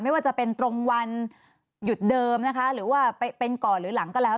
ไม่ว่าจะเป็นตรงวันหยุดเดิมนะคะหรือว่าเป็นก่อนหรือหลังก็แล้ว